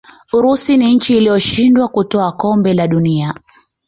urusi ni nchi iliyoshindwa kutwaa kombe la dunia